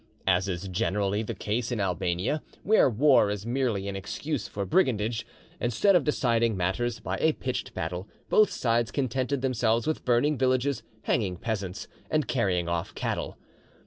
As is generally the case in Albania, where war is merely an excuse for brigandage, instead of deciding matters by a pitched battle, both sides contented themselves with burning villages, hanging peasants, and carrying off cattle.